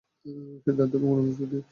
সিদ্ধান্ত এবং তার অনুপস্থিতি।